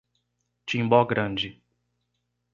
Timbó Grande